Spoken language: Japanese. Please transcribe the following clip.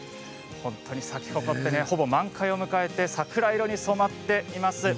咲き誇って、ほぼ満開を迎えて桜色に染まっています。